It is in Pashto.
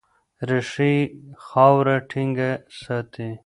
ریښې یې خاوره ټینګه ساتي.